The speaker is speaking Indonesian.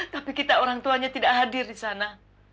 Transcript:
tapi kita orang tuanya tidak hadir di sana